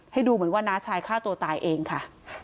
ให้ดูเหมือนว่าน้าชายฆ่าตัวตายเองค่ะ